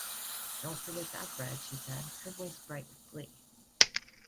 “Don’t forget that bread,” she said, her voice bright with glee.